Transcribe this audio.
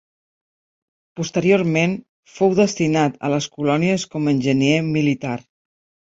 Posteriorment, fou destinat a les colònies com a enginyer militar.